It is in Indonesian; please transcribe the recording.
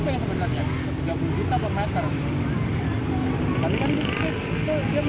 bukan gaya gaya seperti ini mana yang mengusir